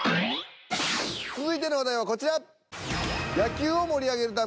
続いてのお題はこちら。